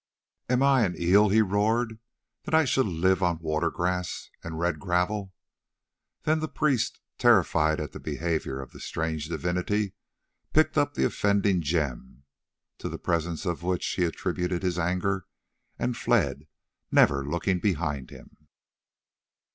"Am I an eel?" he roared, "that I should live on water grass, and red gravel?" Then the priest, terrified at the behaviour of this strange divinity, picked up the offending gem—to the presence of which he attributed his anger—and fled, never looking behind him.